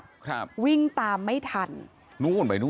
เจ้าแม่น้ำเจ้าแม่น้ำ